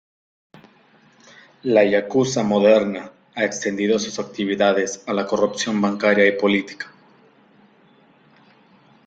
La yakuza moderna ha extendido sus actividades a la corrupción bancaria y política.